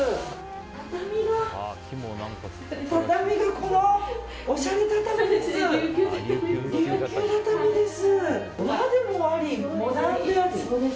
畳が畳がおしゃれ畳です。